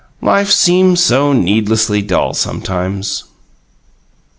Life seems so needlessly dull sometimes.